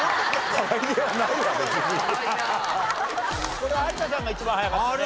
これは有田さんが一番早かったね。